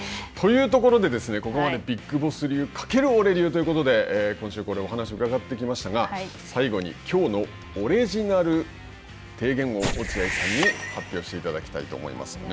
というところでここまでビッグボス掛けるオレ流ということで今週、お話を伺ってきましたが最後に、きょうのオレジナル提言を落合さんに発表していただきたいと思います。